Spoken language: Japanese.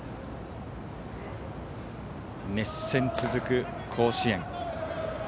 熱戦続く甲子園。